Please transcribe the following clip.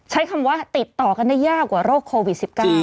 ใช้คำว่าติดต่อกันได้ยากกว่าโรคโควิด๑๙